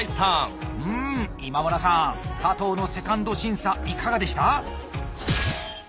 うん今村さん佐藤の２ｎｄ審査いかがでした？